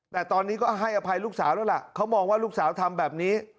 แต่ตอนนี้ก็ให้อภัยลูกสาวแล้วล่ะเขามองว่าลูกสาวทำแบบนี้